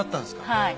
はい。